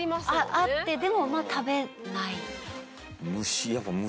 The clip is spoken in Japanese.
あってでもまあ食べない。